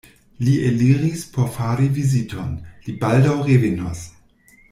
Li eliris por fari viziton: li baldaŭ revenos.